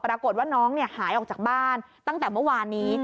ปรากฏว่าน้องหายออกจากบ้านตั้งแต่เมื่อวานนี้